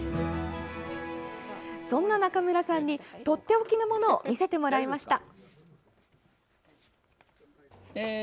そんな中村さんにとっておきのものを見せてもらいました。